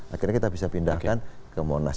akhirnya kita bisa pindahkan ke monas